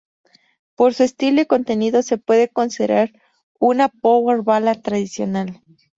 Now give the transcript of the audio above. Por su estilo y contenido, se puede considerar una power ballad tradicional.